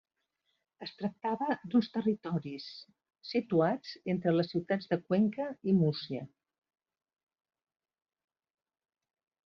Es tractava d'uns territoris situats entre les ciutats de Cuenca i Múrcia.